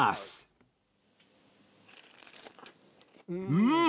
うん！